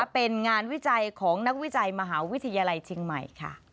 เป็นงานวิจัยของนักวิจัยมหาวิทยาลัยเชียงใหม่